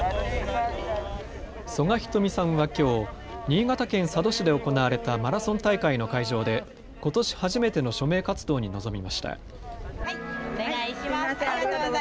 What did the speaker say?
曽我ひとみさんはきょう新潟県佐渡市で行われたマラソン大会の会場で、ことし初めての署名活動に臨みました。